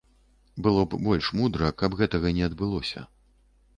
Было б больш мудра, каб гэтага не адбылося.